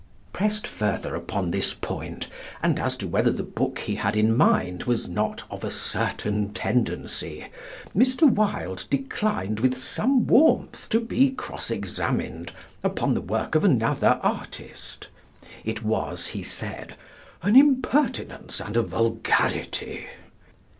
Pressed further upon this point, and as to whether the book he had in mind was not of a certain tendency, Mr. Wilde declined with some warmth to be cross examined upon the work of another artist. It was, he said, "an impertinence and a vulgarity."